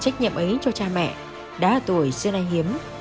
trách nhiệm ấy cho cha mẹ đã ở tuổi xưa nay hiếm